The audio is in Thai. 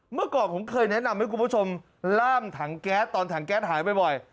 เมื่อก่อนผมเคยแนะนำให้คุณผู้ชมล่ามถังแก๊สตอนถังแก๊สหายบ่อย